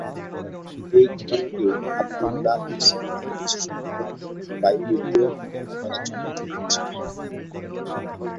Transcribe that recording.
এই ঘটনাটি আব্দুল্লাহ ইউসুফ আলী কিছু সংখ্যক বাইবেলীয় ঘটনা দ্বারা চিহ্নিত করেছেন।